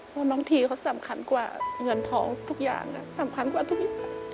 เพราะน้องทีเขาสำคัญกว่าเงินทองทุกอย่างสำคัญกว่าทุกอย่าง